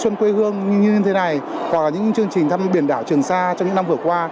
xuân quế hương như thế này hoặc là những chương trình thăm biển đảo trường sa trong những năm vừa qua